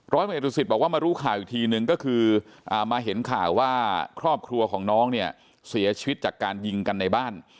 ร้อยเมตุศิษย์บอกว่ามารู้ข่าวอีกทีนึงก็คือมาเห็นข่าวว่าครอบครัวของน้องเนี่ยเสียชีวิตจากการยิงกันในบ้าน